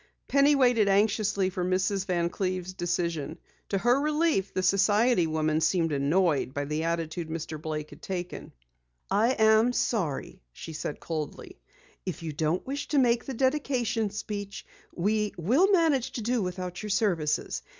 Penny waited anxiously for Mrs. Van Cleve's decision. To her relief, the society woman seemed annoyed by the attitude Mr. Blake had taken. "I am sorry," she said coldly. "If you don't wish to make the dedication speech, we will manage to do without your services.